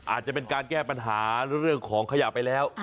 อาจจะเป็นการแก้ปัญหาเรื่องของขยะไปแล้ว